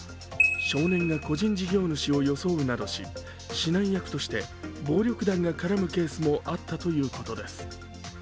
少年が個人事業主を装うなどし指南役として暴力団が絡むケースもあったということです。